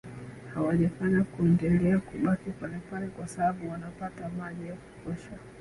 huwafanya kuendelea kubaki palepale kwa sababu wanapata maji ya kutosha